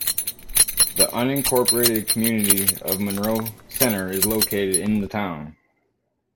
The unincorporated community of Monroe Center is located in the town.